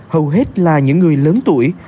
hầu hết là những người lớn tuổi